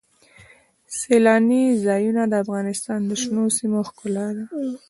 سیلانی ځایونه د افغانستان د شنو سیمو ښکلا ده.